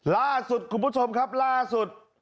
ล่าสุดคุณผู้ชมครับล่าสุด